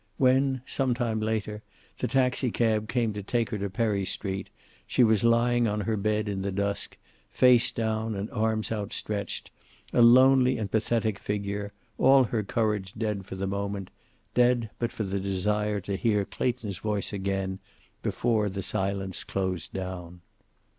When, some time later, the taxicab came to take her to Perry Street, she was lying on her bed in the dusk, face down and arms outstretched, a lonely and pathetic figure, all her courage dead for the moment, dead but for the desire to hear Clayton's voice again before the silence closed down.